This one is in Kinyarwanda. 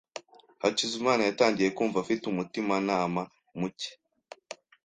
Hakizimana yatangiye kumva afite umutimanama mucye.